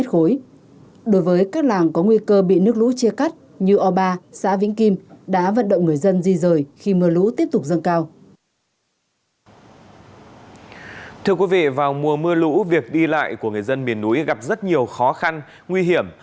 thưa quý vị vào mùa mưa lũ việc đi lại của người dân miền núi gặp rất nhiều khó khăn nguy hiểm